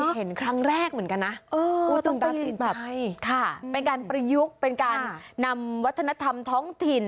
เห็นครั้งแรกเหมือนกันนะต้องการแบบเป็นการประยุกต์เป็นการนำวัฒนธรรมท้องถิ่น